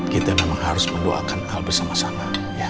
kita memang harus mendoakan hal bersama sama